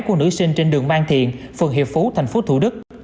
của nữ sinh trên đường mang thiện phường hiệp phú tp thủ đức